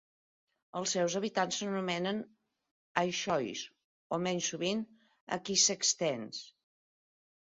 Els seus habitants s'anomenen "Aixois" o, menys sovint, "Aquisextains".